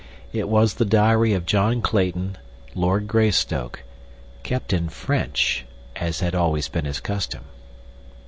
It was the diary of John Clayton, Lord Greystoke—kept in French, as had always been his custom.